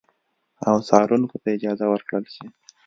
او څارونکو ته اجازه ورکړل شي